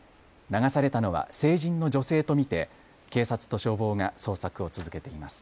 流されたのは成人の女性と見て警察と消防が捜索を続けています。